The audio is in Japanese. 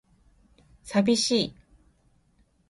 寂しい